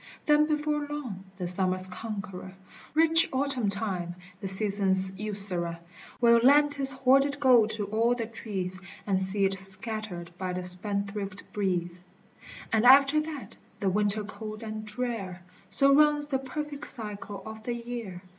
Then before long the Summer's conqueror, Rich Autumn time, the season's usurer, Will lend his hoarded gold to all the trees, And see it scattered by the spendthrift breeze; And after that the Winter cold and drear. So runs the perfect cycle of the year.